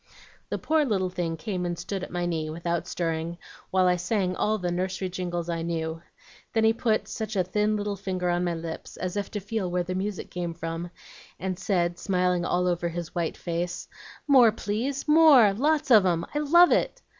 "The poor little thing came and stood at my knee, without stirring, while I sang all the nursery jingles I knew. Then he put such a thin little finger on my lips as if to feel where the music came from, and said, smiling all over his white face, 'More, please more, lots of 'em! I love it!'